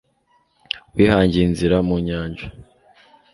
Wihangiye inzira mu nyanja